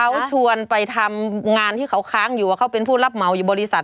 เขาชวนไปทำงานที่เขาค้างอยู่ว่าเขาเป็นผู้รับเหมาอยู่บริษัท